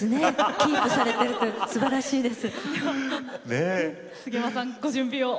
キープされてるってすばらしいです。